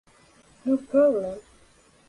No Problem!